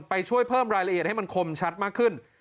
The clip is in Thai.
ไปช่วยเพิ่มรายละเอียดให้มันคมชัดมากขึ้น